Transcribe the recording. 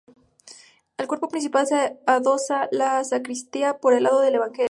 Al cuerpo principal se adosa la sacristía por el lado del evangelio.